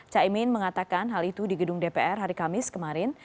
caimin mengatakan hal itu di gedung dpr hari kamis kemarin